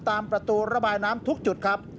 ตามประตูระบายน้ำทุกจุดครับ